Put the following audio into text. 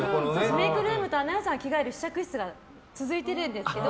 メイクルームとアナウンサーが着替える試着室が続いてるんですけど